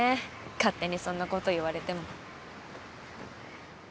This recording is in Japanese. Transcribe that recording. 勝手にそんなこと言われても。